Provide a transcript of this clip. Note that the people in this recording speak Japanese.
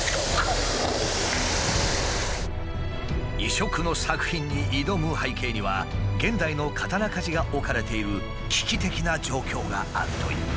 異色の作品に挑む背景には現代の刀鍛治が置かれている危機的な状況があるという。